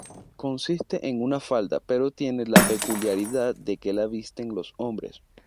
Consiste en una falda pero tiene la peculiaridad de que la visten los hombres.